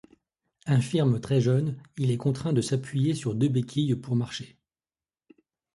Infirme très jeune, il est contraint de s'appuyer sur deux béquilles pour marcher.